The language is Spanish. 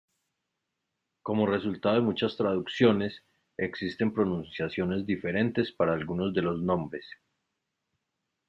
Como resultado de muchas traducciones, existen pronunciaciones diferentes para algunos de los nombres.